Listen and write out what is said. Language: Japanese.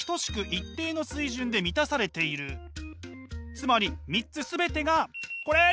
つまり３つ全てがこれ！